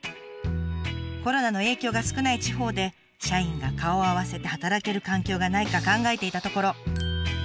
コロナの影響が少ない地方で社員が顔を合わせて働ける環境がないか考えていたところ。